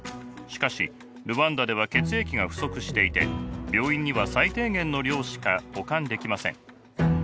しかしルワンダでは血液が不足していて病院には最低限の量しか保管できません。